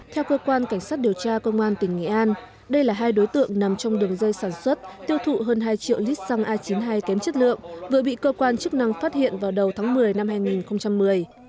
theo cơ quan cảnh sát điều tra công an tỉnh nghệ an đây là hai đối tượng nằm trong đường dây sản xuất tiêu thụ hơn hai triệu lít xăng a chín mươi hai kém chất lượng vừa bị cơ quan chức năng phát hiện vào đầu tháng một mươi năm hai nghìn một mươi